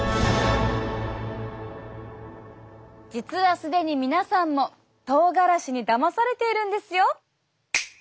実は既に皆さんもとうがらしにだまされているんですよ！